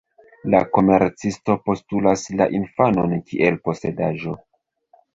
La komercisto postulas la infanon kiel posedaĵo.